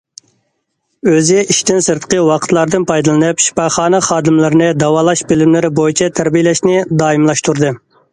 ئۆزى ئىشتىن سىرتقى ۋاقىتلاردىن پايدىلىنىپ، شىپاخانا خادىملىرىنى داۋالاش بىلىملىرى بويىچە تەربىيەلەشنى دائىملاشتۇردى.